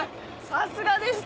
さすがです！